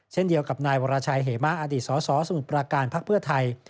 เช่นเดียวกับนายวรชัยเหมะอดีตสสสมุทรประการพักเพื่อไทย